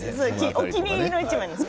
お気に入りの１枚なんです。